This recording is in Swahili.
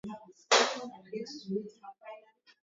Sasa hivi nchi yetu ina changamoto nyingi sana